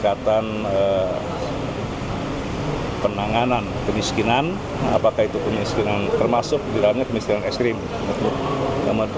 bantuan keuangan ini diberikan untuk percepatan penanganan stunting dan kemiskinan ekstrim di jepara